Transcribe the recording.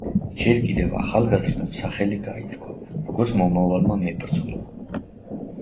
ჯერ კიდევ ახალგაზრდამ სახელი გაითქვა, როგორც მომავალმა მებრძოლმა.